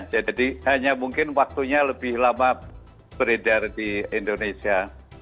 jadi hanya mungkin waktunya lebih lama beredar di indonesia